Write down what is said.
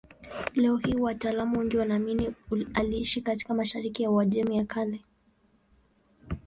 Leo hii wataalamu wengi wanaamini aliishi katika mashariki ya Uajemi ya Kale.